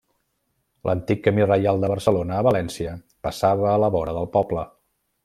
L'antic camí Reial de Barcelona a València passava a la vora del poble.